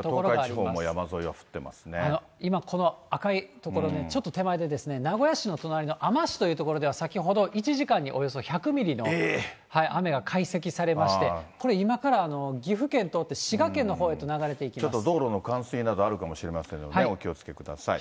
それから東海地方も山沿いは今、この赤い所ね、ちょっと手前でですね、名古屋市の隣のあま市という所では先ほど１時間におよそ１００ミリの雨が解析されまして、これ、今から岐阜県通って、滋賀県のほちょっと道路の冠水などあるかもしれませんので、お気をつけください。